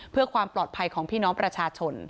เพื่อความปลอดภัยของพี่น้องประชาชน